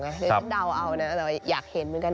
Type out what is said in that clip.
เดี๋ยวฉันเดาเอานะแต่อยากเห็นเหมือนกัน